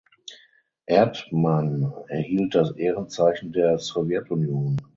Erdman erhielt das Ehrenzeichen der Sowjetunion.